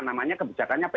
namanya kebijakannya pad